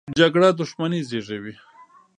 جګړه دښمني زېږوي